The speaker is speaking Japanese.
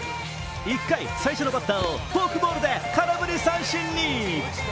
１回、最初のバッターをフォークボールで空振り三振に。